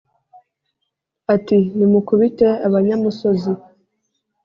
Ati: Nimukubite abanyamusozi